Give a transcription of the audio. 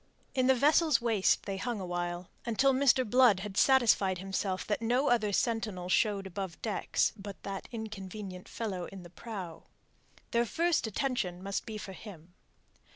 In the vessel's waist they hung awhile, until Mr. Blood had satisfied himself that no other sentinel showed above decks but that inconvenient fellow in the prow. Their first attention must be for him.